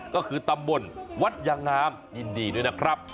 ก็คือตำบลวัดยางงามยินดีด้วยนะครับ